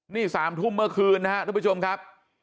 นี่๓ทุ่มเมื่อคืนนะครับทุกผู้ชมครับ